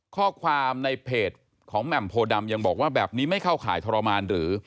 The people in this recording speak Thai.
ข้อความในเพจของแหม่มโพดำยังบอกว่าแบบนี้ไม่เข้าข่ายทรมานหรือ